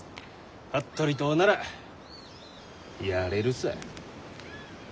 服部党ならやれるさ。